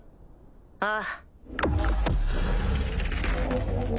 ああ